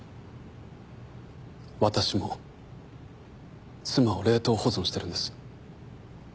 私も妻を冷凍保存してるんです。